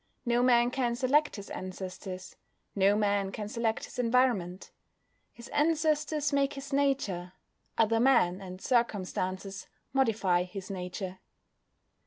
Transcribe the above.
No man can select his ancestors; no man can select his environment. His ancestors make his nature; other men, and circumstances, modify his nature.